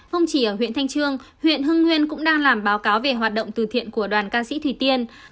không chỉ ở huyện thanh trương huyện hưng nguyên cũng đang làm báo cáo về hoạt động từ thiện của đoàn ca sĩ thủy tiên